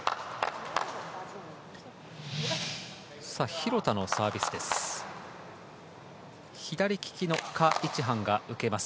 廣田のサービスです。